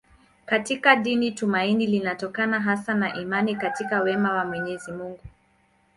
Katika dini tumaini linatokana hasa na imani katika wema wa Mwenyezi Mungu.